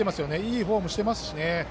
いいフォームしてますしね。